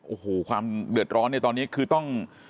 โอ้โหความเดือดร้อนในตอนนี้คือต้อง